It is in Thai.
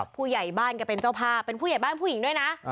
ผู้ใหญ่บ้านก็เป็นเจ้าภาพเป็นผู้ใหญ่บ้านผู้หญิงด้วยนะ